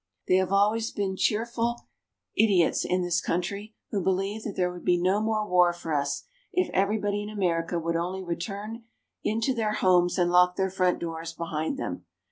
There have always been cheerful idiots in this country who believed that there would be no more war for us, if everybody in America would only return into their homes and lock their front doors behind them.